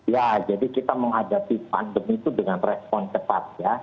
ya jadi kita menghadapi pandemi itu dengan respon cepat ya